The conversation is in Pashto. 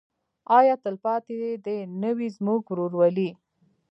آیا تلپاتې دې نه وي زموږ ورورولي؟